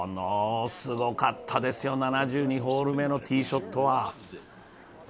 すごかったですよ、７２ホール目のティーショットは。